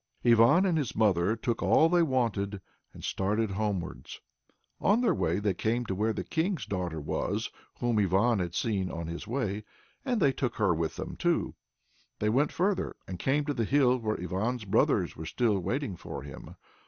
Ivan and his mother took all they wanted and started homewards. On their way they came to where the King's daughter was whom Ivan had seen on his way, and they took her with them too. They went further, and came to the hill where Ivan's brothers were still waiting for him.